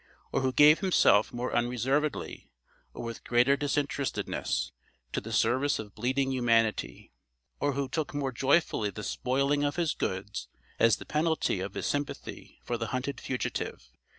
Or who gave himself more unreservedly, or with greater disinterestedness, to the service of bleeding humanity? Or who took more joyfully the spoiling of his goods as the penalty of his sympathy for the hunted fugitive?